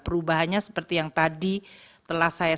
perubahannya seperti yang tadi telah saya